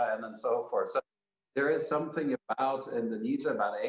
tentang asia tentang indonesia terutama